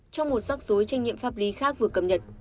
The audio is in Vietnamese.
trong một giấc dối tranh nhiệm pháp lý khác vừa cập nhật